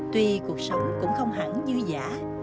tuy cuộc sống cũng không hẳn như giả